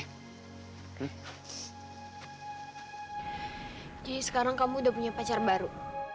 ah jadi sekarang kamu udah punya pacar baru